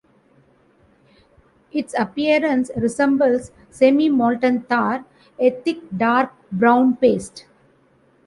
Its appearance resembles semi-molten tar - a thick dark brown paste.